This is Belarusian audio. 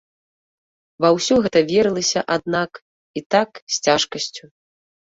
Ва ўсё гэта верылася, аднак, і так з цяжкасцю.